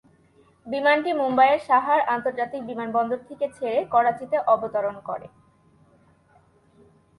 বিমানটি মুম্বাইয়ের সাহার আন্তর্জাতিক বিমানবন্দর থেকে ছেড়ে করাচিতে অবতরণ করে।